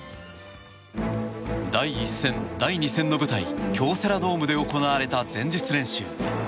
第１戦、第２戦の舞台京セラドームで行われた前日練習。